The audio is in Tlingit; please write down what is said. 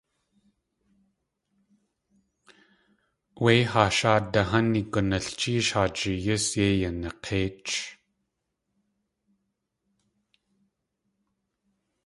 Wé haa sháade háni "gunalchéesh" haa jeeyís yéi yanak̲éich.